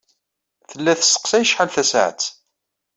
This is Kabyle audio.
Tella tesseqsay acḥal tasaɛet.